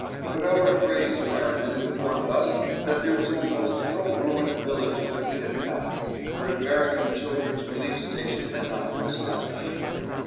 But our Gray Samaritan informed us that there was almost no ruined village that we had passed, where an American Children's Relief Station had not been established.